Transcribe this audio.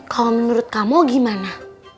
kalau menurut kamu gimana